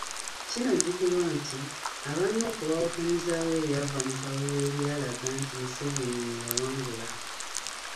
Kinajjukirwa nti, aba Nuupu baawakanyizaawo ebyava mu kalulu ebyalaga nti Museveni ye yawangula.